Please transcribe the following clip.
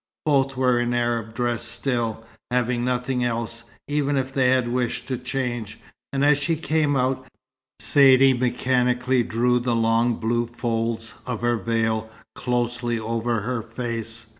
Both were in Arab dress still, having nothing else, even if they had wished to change; and as she came out, Saidee mechanically drew the long blue folds of her veil closely over her face.